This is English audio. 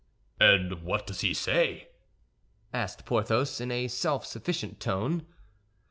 "And what does he say?" asked Porthos, in a self sufficient tone.